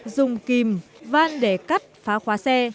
dùng kìm van để cắt phá khóa xe